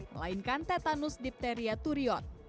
melainkan tetanus dipteria turion